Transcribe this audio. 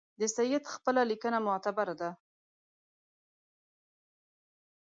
د سید خپله لیکنه معتبره ده.